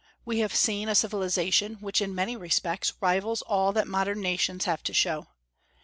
We have seen a civilization which in many respects rivals all that modern nations have to show.